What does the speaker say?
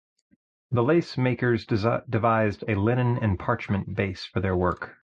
The lace makers devised a linen and parchment base for their work.